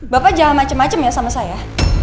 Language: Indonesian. bapak jangan macem macem ya sama saya